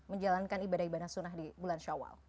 menjalankan ibadah ibadah sunnah di bulan syawal